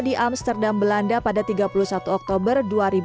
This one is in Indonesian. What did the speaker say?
di amsterdam belanda pada tiga puluh satu oktober dua ribu dua puluh